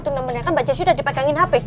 tunda menengah kan mbak jessy udah dipakangin hp